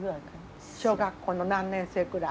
小学校の何年生くらい？